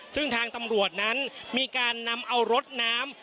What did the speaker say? ซึ่งทางตำรวจนั้นมีการนำเอารถน้ำ